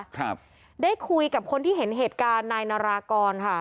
ครับได้คุยกับคนที่เห็นเหตุการณ์นายนารากรค่ะ